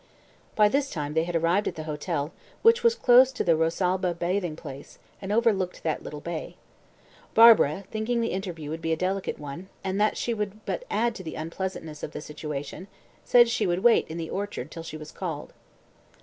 By this time they had arrived at the hotel, which was close to the Rosalba Bathing Place, and overlooked that little bay. Barbara, thinking the interview would be a delicate one, and that she would but add to the unpleasantness of the situation, said she would wait in the orchard till she was called.